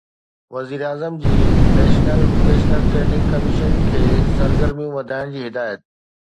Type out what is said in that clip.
وزيراعظم جي national vocational training commission کي سرگرميون وڌائڻ جي هدايت